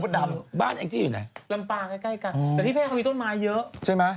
แต่ที่แพร่เขามีต้นไม้เยอะ